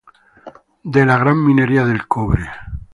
De la gran minería del cobre.